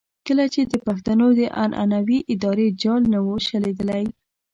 کله چې د پښتنو د عنعنوي ادارې جال نه وو شلېدلی.